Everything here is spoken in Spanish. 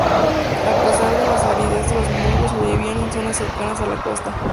A pesar de la aridez los musgos sobrevivían en zonas cercanas a la costa.